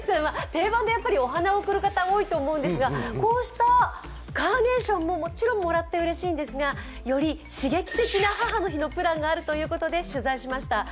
定番でお花を贈る方、多いと思うんですが、こうしたカーネーションももらって、うれしいんですがより刺激的な母の日のプランがあるということで取材しました。